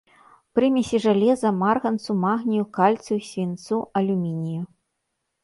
Прымесі жалеза, марганцу, магнію, кальцыю, свінцу, алюмінію.